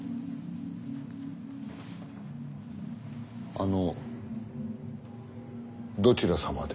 あのどちら様で？